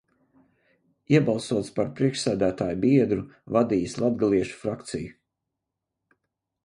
Iebalsots par priekšsēdētāja biedru, vadījis latgaliešu frakciju.